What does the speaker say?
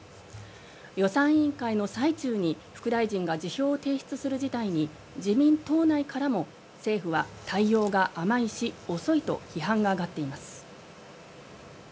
予算委員会の最中に副大臣が辞表を提出する事態に自民党内からも政府は対応が甘いし遅いと批判が上がっています。